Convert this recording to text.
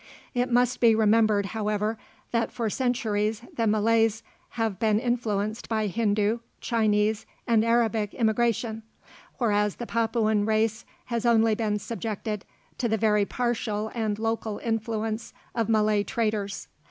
It must be remembered, however, that for centuries the Malays have been influenced by Hindoo, Chinese, and Arabic immigration, whereas the Papuan race has only been subjected to the very partial and local influence of Malay traders.